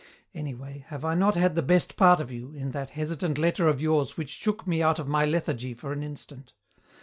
Anyway, have I not had the best part of you, in that hesitant letter of yours which shook me out of my lethargy for an instant?